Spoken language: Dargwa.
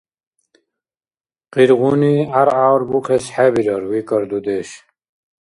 — Къиргъуни гӀяргӀя арбухес хӀебирар, — викӀар дудеш.